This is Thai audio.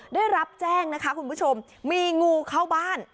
ได้รับแจ้งนะคะคุณผู้ชมมีงูเข้าบ้าน